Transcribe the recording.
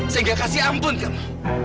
sehingga kasih ampun kamu